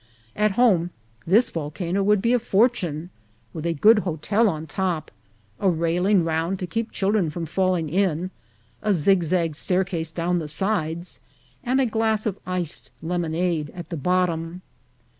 At home this volcano would be a fortune ; with a good hotel on top, a railing round to keep children from fall ing in, a zigzag staircase down the sides, and a glass of iced lemonade at the bottom.